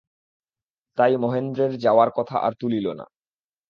তাই মহেন্দ্রের যাওয়ার কথা আর তুলিল না।